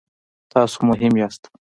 تاسو مهم یاست